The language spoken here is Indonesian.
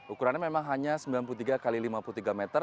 ukurannya memang hanya sembilan puluh tiga x lima puluh tiga meter